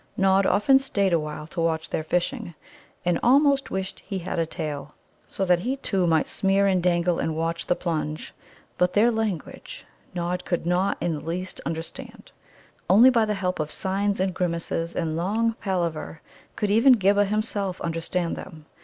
Nod often stayed awhile to watch their fishing, and almost wished he had a tail, so that he, too, might smear and dangle and watch and plunge. But their language Nod could not in the least understand. Only by the help of signs and grimaces and long palaver could even Ghibba himself understand them.